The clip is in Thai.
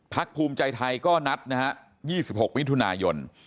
ภูมิใจไทยก็นัดนะฮะ๒๖มิถุนายน